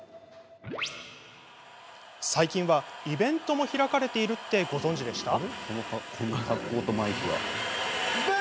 最近はイベントも開かれているってご存じでした？